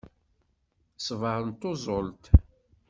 Ṣṣber d tuẓult.